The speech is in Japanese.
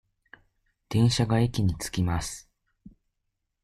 電車が駅に着きます。